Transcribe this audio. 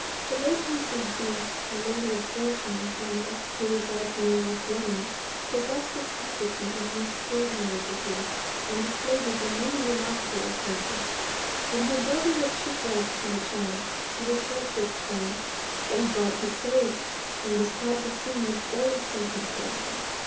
The late Mrs. V——, a lady of fortune and family, who resides near Loch Lomond, possessed this faculty in an extraordinary degree, and displayed it on many remarkable occasions. When her brother was shipwrecked in the channel, she was heard to exclaim, "Thank God, he is saved!" and described the scene with all its circumstances.